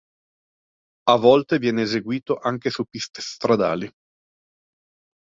A volte viene eseguito anche su piste stradali.